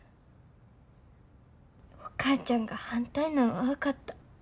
お母ちゃんが反対なんは分かった。